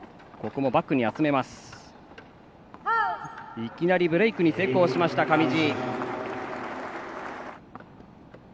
いきなりブレークに成功、上地。